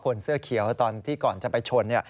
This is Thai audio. เสื้อเขียวตอนที่ก่อนจะไปชน